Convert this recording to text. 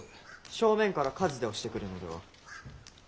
正面から数で押してくるのでは？